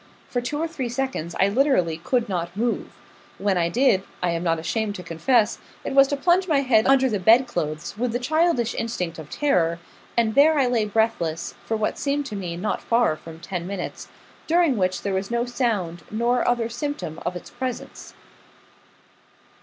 For two or three seconds I literally could not move. When I did, I am not ashamed to confess, it was to plunge my head under the bed clothes, with the childish instinct of terror; and there I lay breathless, for what seemed to me not far from ten minutes, during which there was no sound, nor other symptom of its presence.